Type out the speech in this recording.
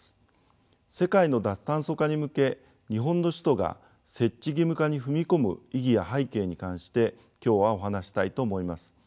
世界の脱炭素化に向け日本の首都が設置義務化に踏み込む意義や背景に関して今日はお話ししたいと思います。